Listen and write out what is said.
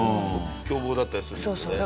凶暴だったりするんですよね。